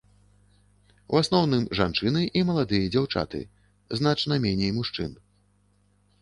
У асноўным жанчыны і маладыя дзяўчаты, значна меней мужчын.